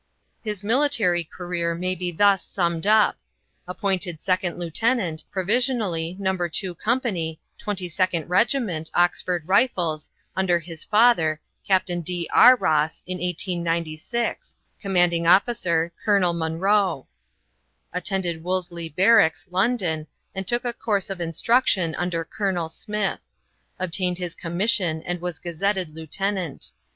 His military career may be thus summed up Appointed 2nd lieutenant, provisionally, No. 2 Company, 22nd Regt., Oxford Rifles, under his father, Capt. D. R. Ross, in 1896, Commanding officer, Colonel Munro. Attended Wolseley Barracks, London, and took a course of instruction under Colonel Smith; obtained his commission and was gazetted lieutenant.